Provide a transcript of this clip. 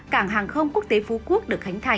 cảng hàng không quốc tế phú quốc